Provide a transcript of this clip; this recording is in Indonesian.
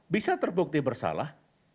bisa terbukti bersalah